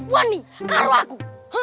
buan nih karo aku